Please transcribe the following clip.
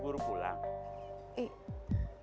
mau burung pulang